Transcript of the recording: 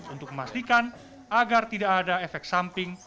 untuk memastikan agar tidak ada efek samping